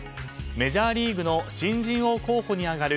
メジャーリーグの新人王候補に挙がる